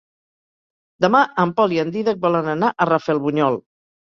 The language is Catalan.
Demà en Pol i en Dídac volen anar a Rafelbunyol.